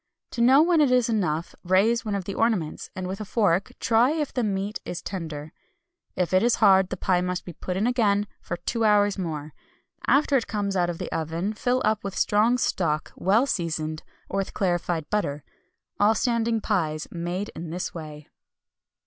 To know when it is enough, raise one of the ornaments, and with a fork try if the meat is tender. If it is hard the pie must be put in again for two hours more. After it comes out of the oven fill up with strong stock, well seasoned, or with clarified butter. All standing pies made in this way.